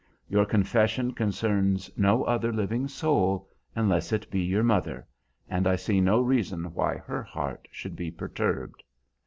Your confession concerns no other living soul, unless it be your mother, and I see no reason why her heart should be perturbed.